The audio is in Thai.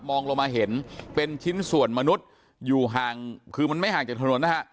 ลงมาเห็นเป็นชิ้นส่วนมนุษย์อยู่ห่างคือมันไม่ห่างจากถนนนะฮะ